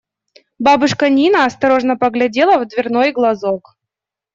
Бабушка Нина осторожно поглядела в дверной глазок.